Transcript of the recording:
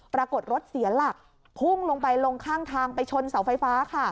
ปรากฏรถเสียหลักพุ่งลงไปลงข้างทางไปชนเสาไฟฟ้าค่ะ